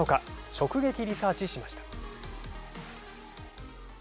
直撃リサーチしました。